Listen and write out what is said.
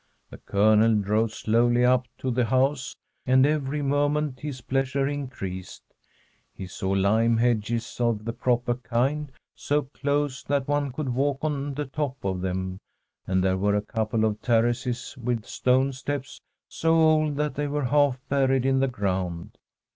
The Colonel drove slowly up to the house, and every moment his pleasure in creased. He saw lime hedges of the proper kind, so close that one could walk on the top of them, I314I A STORY from HALSTANAS and there were a couple of terraces with stone steps so old that they were half buried in the ground.